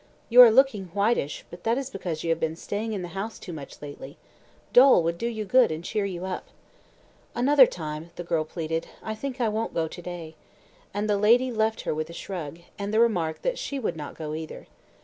"You are looking whitish, but that is because you have been staying in the house too much lately. Dol would do you good and cheer you up." "Another time," the girl pleaded. "I think I won't go to day," and the lady left her with a shrug, and the remark that she would not go either.